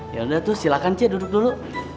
ya udah tuh silahkan ce duduk dulu